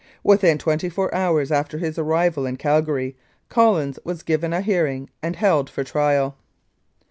Within twenty four hours after his arrival in Calgary, Collins was given a hearing and held for trial.